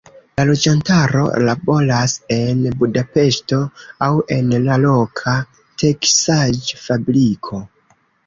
La loĝantaro laboras en Budapeŝto, aŭ en la loka teksaĵ-fabriko.